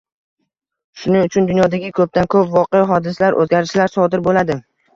Shuning uchun, dunyodagi ko’pdan-ko’p voqea-hodisalar, o’zgarishlar sodir bo'ladi.